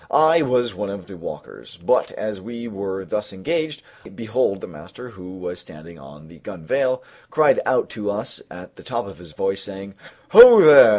I was one of the walkers; but as we were thus engaged, behold the master, who was standing on the gunwale, cried out to us at the top of his voice, saying, "Ho there!